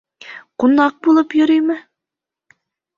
Ҡунаҡ булып йөрөймө?